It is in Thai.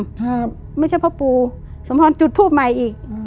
ครับไม่ใช่พ่อปู่สมพรจุดทูปใหม่อีกอืม